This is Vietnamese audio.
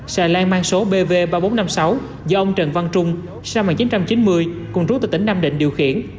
xà lan mang số pv ba nghìn bốn trăm năm mươi sáu do ông trần văn trung xe mạng chín trăm chín mươi cùng rút tại tỉnh nam định điều khiển